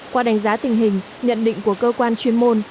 qua đánh giá tình hình nhận định của cơ quan chuyên môn